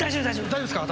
大丈夫ですか？